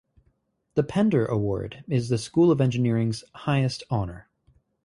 The Pender Award is the School of Engineering's highest honor.